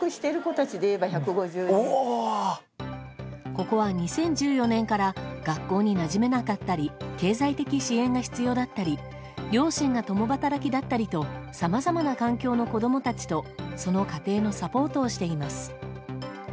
ここは、２０１４年から学校になじめなかったり経済的支援が必要だったり両親が共働きだったりとさまざまな環境の子供たちとその家庭のサポートをしています。